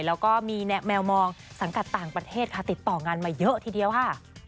แล้วก็มีแมวมองสังกัดต่างประเทศค่ะติดต่องานมาเยอะทีเดียวค่ะ